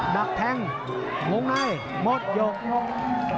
ดักแทงวงในหมดหยกง